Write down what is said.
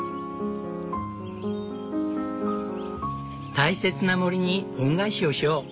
大切な森に恩返しをしよう。